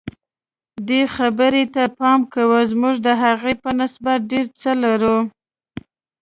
دې خبرې ته پام کوه موږ د هغې په نسبت ډېر څه لرو.